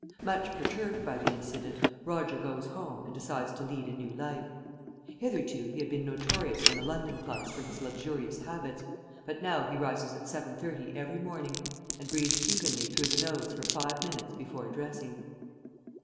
Much perturbed by the incident, Roger goes home and decides to lead a new life. Hitherto he had been notorious in the London clubs for his luxurious habits, but now he rises at 7.30 every morning and breathes evenly through the nose for five minutes before dressing.